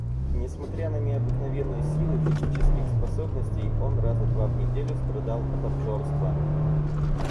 Несмотря на необыкновенную силу физических способностей, он раза два в неделю страдал от обжорства.